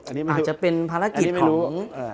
อันนี้เป็นภารกิจของเอิ้นออกอันนี้ไม่รู้